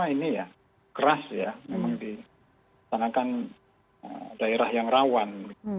ini ya keras ya memang disanakan daerah yang rawan